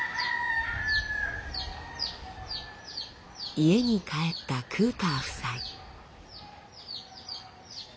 家に帰ったクーパー夫妻。